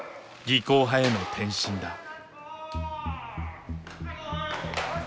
技巧派への転身だ。